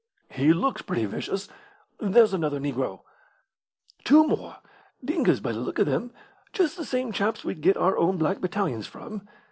"He looks pretty vicious. There's another negro!" "Two more! Dingas, by the look of them. Just the same chaps we get our own black battalions from.